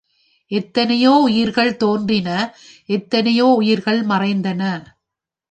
எத்தனையோ உயிர்கள் தோன்றின எத்தனையோ உயிர்கள் மறைந்தன.